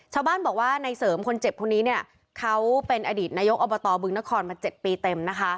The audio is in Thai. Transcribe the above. ชาวบ้านบอกว่าในเสริมคนเจ็บคนนี้เนี่ยเขาเป็นอดีตนายกอบตบึงนครมา๗ปีเต็มนะคะ